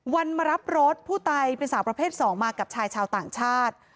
วันมารับรถผู้ตายเป็นสาวประเภท๒มากับชายชาวต่างชาติ